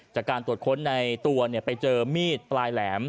จากการตรวจค้นในตัวไปเจอมีดปลายแหลม